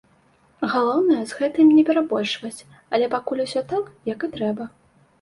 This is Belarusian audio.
Галоўнае, з гэтым не перабольшваць, але пакуль усё так, як і трэба.